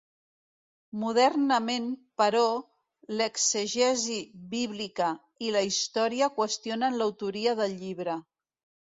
Modernament, però, l'exegesi bíblica i la història qüestionen l'autoria del llibre.